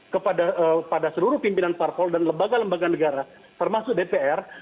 kepada seluruh pimpinan parpol dan lembaga lembaga negara termasuk dpr